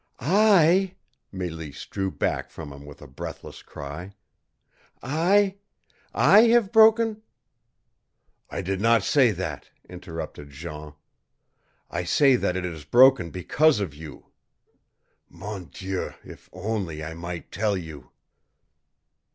"I!" Mélisse drew back from him with a breathless cry. "I I have broken " "I did not say that," interrupted Jean. "I say that it is broken because of you. Mon Dieu, if only I might tell you!"